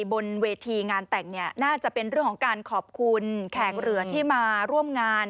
บนเวทีงานแต่งเนี่ยน่าจะเป็นเรื่องของการขอบคุณแขกเหลือที่มาร่วมงาน